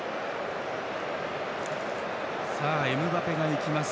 エムバペがいきます。